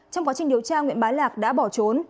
trong quá trình điều tra nguyễn bá lạc đã bỏ trốn